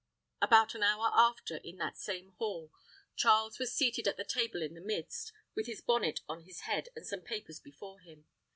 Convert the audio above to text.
About an hour after, in that same hall, Charles was seated at the table in the midst, with his bonnet on his head, and some papers before him.